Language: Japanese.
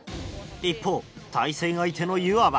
一方対戦相手のゆわは。